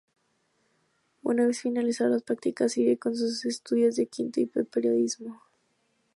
Una vez finalizadas las prácticas sigue con sus estudios de quinto de Periodismo.